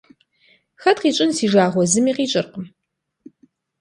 Хэт къищӏын си жагъуэ зыми къищӏыркъым.